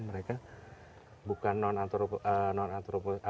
mereka bukan non antropo